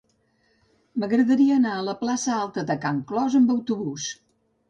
M'agradaria anar a la plaça Alta de Can Clos amb autobús.